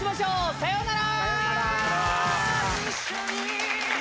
さようなら。